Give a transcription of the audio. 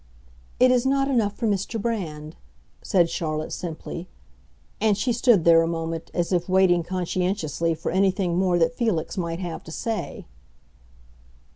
"It is not enough for Mr. Brand," said Charlotte, simply. And she stood there a moment, as if waiting conscientiously for anything more that Felix might have to say.